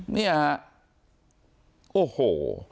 เนี่ยฮะโอ้โห